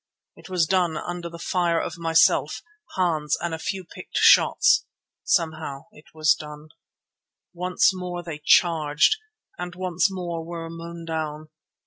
It was done under the fire of myself, Hans and a few picked shots—somehow it was done. Once more they charged, and once more were mown down.